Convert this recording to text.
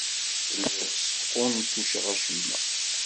Lliɣ sxuntuceɣ acemma.